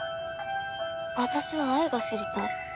私は愛が知りたい。